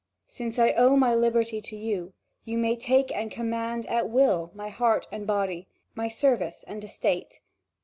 Since I owe my liberty to you, you may take and command at will my heart and body, my service and estate.